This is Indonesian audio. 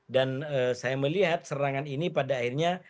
dan saya melihat serangan ini pada akhirnya